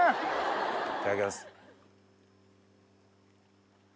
いただきます。